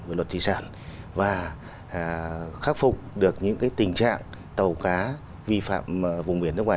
về luật thủy sản và khắc phục được những tình trạng tàu cá vi phạm vùng biển nước ngoài